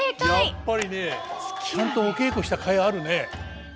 やっぱりねちゃんとお稽古したかいあるね。